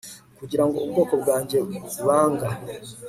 kugirango ubwoko bwanjye banga